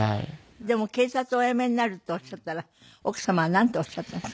でも警察をお辞めになるっておっしゃったら奥様はなんておっしゃったんですか？